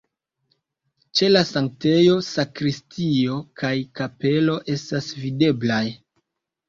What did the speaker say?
Ĉe la sanktejo sakristio kaj kapelo estas videblaj.